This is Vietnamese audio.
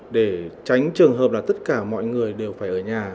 để tránh trường hợp là tất cả mọi người đều phải ở nhà